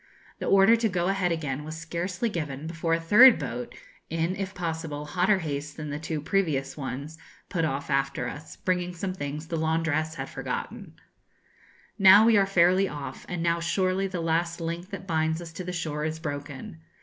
The order to go ahead again was scarcely given, before a third boat, in, if possible, hotter haste than the two previous ones, put off after us, bringing some things the laundress had forgotten. [Illustration: ZEUS CILIARIS] Now we are fairly off; and now surely the last link that binds us to the shore is broken.